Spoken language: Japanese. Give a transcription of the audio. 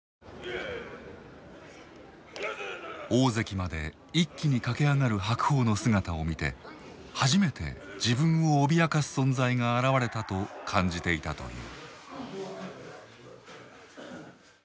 大関まで一気に駆け上がる白鵬の姿を見て初めて自分を脅かす存在が現れたと感じていたという。